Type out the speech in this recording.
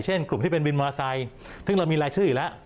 กลุ่มที่เป็นวินมอเตอร์ไซค์ซึ่งเรามีรายชื่ออยู่แล้ว